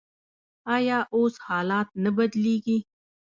آیا اوس حالات نه بدلیږي؟